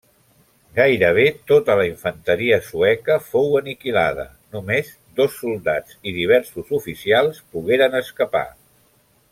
Gairebé tota la infanteria sueca fou aniquilada, només dos soldats i diversos oficials pogueren escapar.